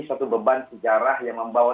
satu beban sejarah yang membawa